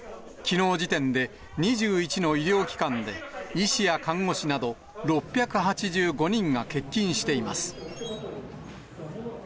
きのう時点で２１の医療機関で、医師や看護師など、６８５人が欠勤しています。